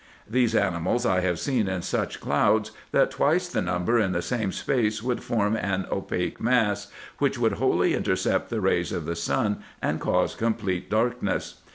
These animals I have seen in such clouds, that twice the number in the same space would form an opaque mass, which would wholly intercept the rays of the sun, and cause complete darkness.